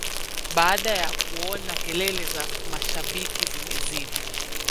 baada ya kuona kelele za mashabiki zimezidi